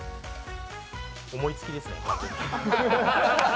思いつきですね。